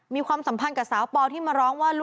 ความสัมพันธ์กับสาวปอที่มาร้องว่า